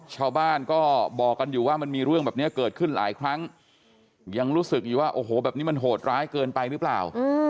ชาวบ้านก็บอกกันอยู่ว่ามันมีเรื่องแบบนี้เกิดขึ้นหลายครั้งยังรู้สึกอยู่ว่าโอ้โหแบบนี้มันโหดร้ายเกินไปหรือเปล่า